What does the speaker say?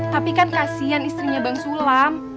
tapi kan kasian istrinya bang sulam